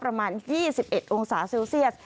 ประมาณ๒๑องศาเซลเซียส